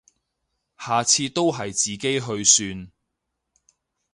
下次都係自己去算